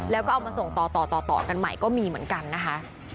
แล้วก็เอามาส่งต่อต่อกันใหม่ก็มีเหมือนกันนะคะ